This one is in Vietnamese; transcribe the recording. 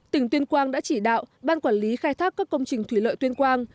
tỉnh tuyên quang đã chỉ đạo ban quản lý khai thác các công trình thủy lợi tuyên quang